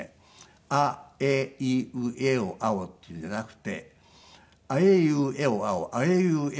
「あえいうえおあお」っていうのじゃなくて「あえいうえおあおあえいうえ